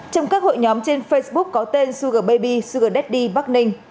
trong các hội nhóm trên facebook có tên sugar baby sugar daddy bắc ninh